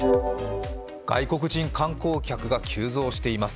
外国人観光客が急増しています。